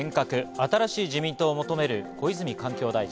新しい自民党を求める小泉環境大臣。